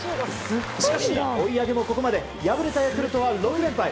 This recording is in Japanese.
しかし、追い上げもここまで敗れたヤクルトは６連敗。